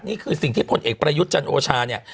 นี่คือสิ่งที่พลเอกประยุทธ์จันโอชาเนี่ย